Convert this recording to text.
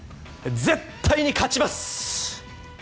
絶対に勝ちます！